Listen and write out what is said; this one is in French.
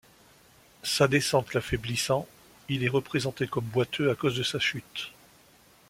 Sa descente l'affaiblissant, il est représenté comme boiteux à cause de sa chute.